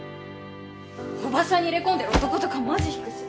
おばさんに入れ込んでる男とかマジ引くし。